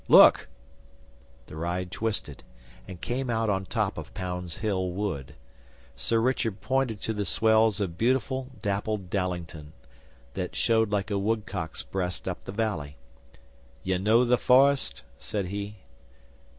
Look!' The ride twisted, and came out on the top of Pound's Hill Wood. Sir Richard pointed to the swells of beautiful, dappled Dallington, that showed like a woodcock's breast up the valley. 'Ye know the forest?' said he.